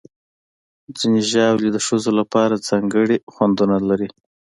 ځینې ژاولې د ښځو لپاره ځانګړي خوندونه لري.